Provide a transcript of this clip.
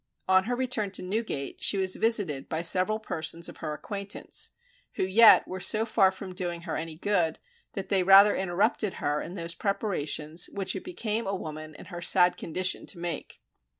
On her return to Newgate, she was visited by several persons of her acquaintance, who yet were so far from doing her any good that they rather interrupted her in those preparations which it became a woman in her sad condition to make.